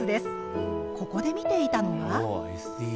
ここで見ていたのは。